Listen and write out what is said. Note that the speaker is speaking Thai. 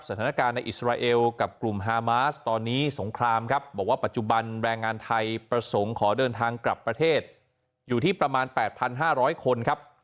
สถานการณ์ในอิสราเอลกับกลุ่มฮามาสตอนนี้สงครามครับบอกว่าปัจจุบันแรงงานไทยประสงค์ขอเดินทางกลับประเทศอยู่ที่ประมาณ๘๕๐๐คนครับ